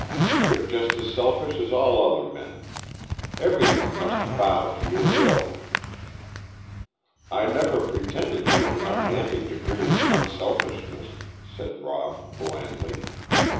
"You're just as selfish as all other men. Everything must bow to your will." "I never pretended to any unmanly degree of unselfishness," said Rob blandly.